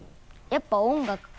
やっぱ音楽が。